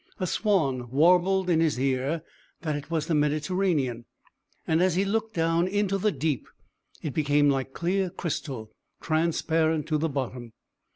A swan warbled in his ear that it was the Mediterranean; and as he looked down into the deep it became like clear crystal, transparent to the bottom.